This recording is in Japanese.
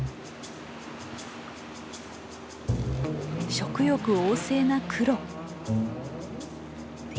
食欲旺盛なクロ。